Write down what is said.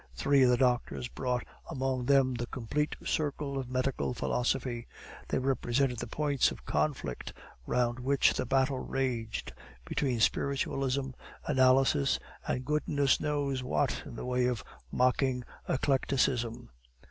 Three of the doctors brought among them the complete circle of medical philosophy; they represented the points of conflict round which the battle raged, between Spiritualism, Analysis, and goodness knows what in the way of mocking eclecticism.